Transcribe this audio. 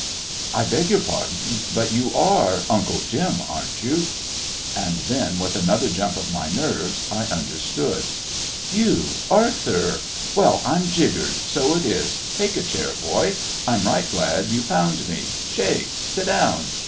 "I beg your pardon, but you are Uncle Jim, aren't you?" And then, with another jump of my nerves, I understood. "You, Arthur! Well, I'm jiggered. So it is. Take a chair, boy. I'm right glad you found me. Shake! Sit down."